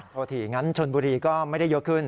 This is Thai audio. โทษทีงั้นชนบุรีก็ไม่ได้เยอะขึ้น